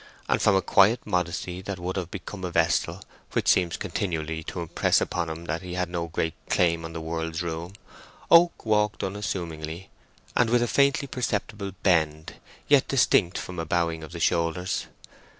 And from a quiet modesty that would have become a vestal, which seemed continually to impress upon him that he had no great claim on the world's room, Oak walked unassumingly and with a faintly perceptible bend, yet distinct from a bowing of the shoulders.